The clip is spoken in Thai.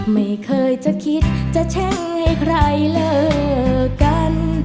ไม่เคยจะคิดจะแช่งให้ใครเลิกกัน